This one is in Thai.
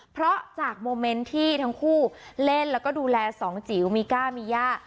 เพราะจากโมเมนต์ที่ทั้งคู่เล่นแล้วก็ดูแลสองจิ๋วมีก้ามีย่า